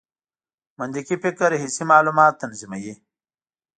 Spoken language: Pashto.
منطقي فکر حسي معلومات تنظیموي.